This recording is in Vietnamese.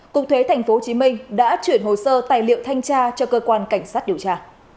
cục thuế tp hcm đã chuyển hồ sơ tài liệu thanh tra cho cơ quan cảnh sát điều tra